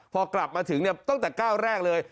พอกลับมาถึงตั้งแต่ก้าวแรกเลย